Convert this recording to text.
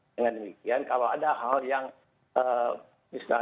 dengan demikian kalau ada hal yang bisa